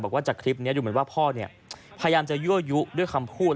บอกว่าจากคลิปนี้ดูเหมือนว่าพ่อพยายามจะยั่วยุด้วยคำพูด